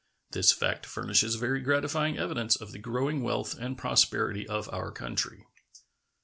This fact furnishes very gratifying evidence of the growing wealth and prosperity of our country.